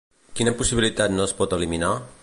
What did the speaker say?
Quina possibilitat no es pot eliminar?